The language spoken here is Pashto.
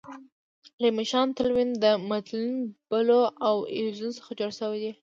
لیشمان تلوین د میتیلین بلو او اییوزین څخه جوړ شوی دی.